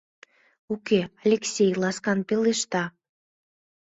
— Уке, — Алексей ласкан пелешта.